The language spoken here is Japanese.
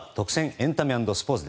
エンタメ＆スポーツ。